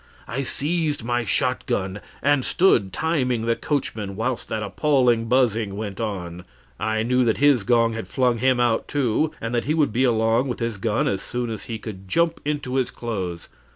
I seized my shotgun, and stood timing the coachman whilst that appalling buzzing went on. I knew that his gong had flung him out, too, and that he would be along with his gun as soon as he could jump into his clothes.